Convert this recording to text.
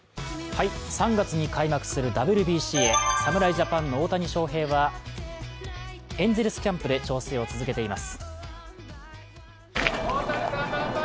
３月に開幕するＷＢＣへ、侍ジャパンの大谷翔平はエンゼルスキャンプで調整を続けています。